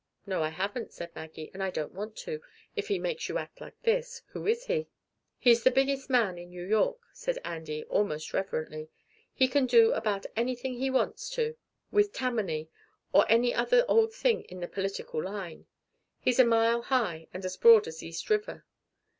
"No, I haven't," said Maggie. "And I don't want to, if he makes you act like this. Who is he?" "He's the biggest man in New York," said Andy, almost reverently. "He can do about anything he wants to with Tammany or any other old thing in the political line. He's a mile high and as broad as East River.